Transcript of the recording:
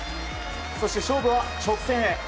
そして勝負は直線へ。